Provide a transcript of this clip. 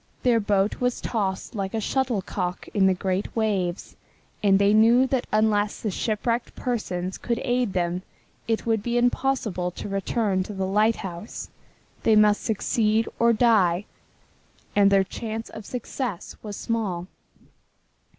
Their boat was tossed like a shuttlecock in the great waves, and they knew that unless the shipwrecked persons could aid them it would be impossible to return to the lighthouse. They must succeed or die, and their chance of success was small.